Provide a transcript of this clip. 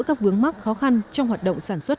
các vướng mắc khó khăn trong hoạt động sản xuất